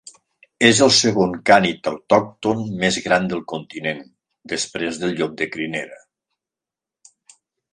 És el segon cànid autòcton més gran del continent, després del llop de crinera.